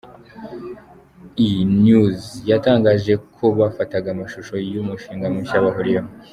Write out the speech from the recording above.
E! News yatangaje ko ‘bafataga amashusho y’umushinga mushya bahuriyeho’.